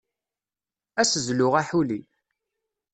Ad as-zluɣ aḥuli.